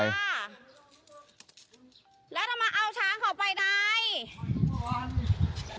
แล้วทำไมเอาช้างเขาไปไหน